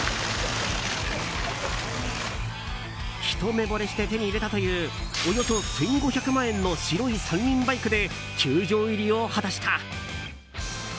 ひと目ぼれして手に入れたというおよそ１５００万円の白い３輪バイクで球場入りを果たした。